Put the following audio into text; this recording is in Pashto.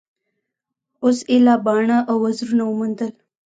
اوس ایله باڼه او وزرونه وموندل.